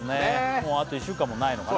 もうあと１週間もないのかな